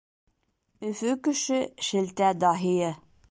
Өфө кеше — шелтә даһийы.